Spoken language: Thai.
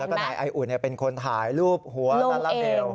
แล้วก็ไนไออุ่นเนี่ยเป็นคนถ่ายรูปหัวลาราเบล